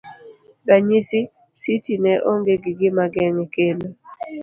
ranyisi. Siti ne onge gi gimageng'e kendo